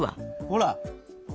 ほら。